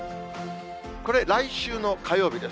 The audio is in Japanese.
これ、来週の火曜日です。